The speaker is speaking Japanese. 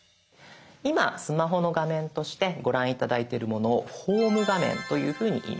今スマホの画面としてご覧頂いてるものを「ホーム画面」というふうにいいます。